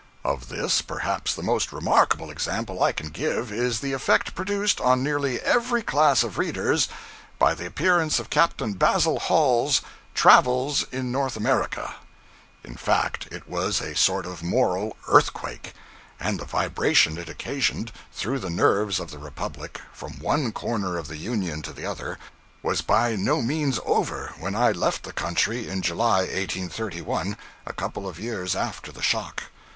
Of this, perhaps, the most remarkable example I can give is the effect produced on nearly every class of readers by the appearance of Captain Basil Hall's 'Travels in North America.' In fact, it was a sort of moral earthquake, and the vibration it occasioned through the nerves of the republic, from one corner of the Union to the other, was by no means over when I left the country in July 1831, a couple of years after the shock.